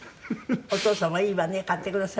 お父様いいわね買ってくださるから。